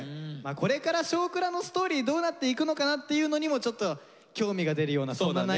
これから「少クラ」のストーリーどうなっていくのかなっていうのにもちょっと興味が出るようなそんな内容でしたね。